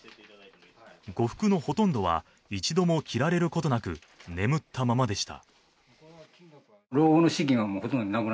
呉服のほとんどは一度も着られることなく、眠ったままでした。